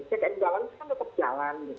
check and jalan kan tetap jalan gitu